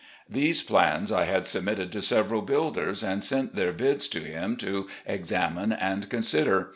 These plans I had submitted to several builders and sent their bids to him to ex amine and consider.